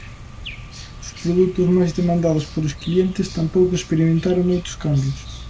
Os produtos máis demandados polos clientes tampouco experimentaron moitos cambios.